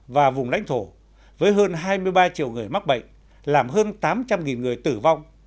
và vùng lãnh thổ với hơn hai mươi ba triệu người mắc bệnh làm hơn tám trăm linh người tử vong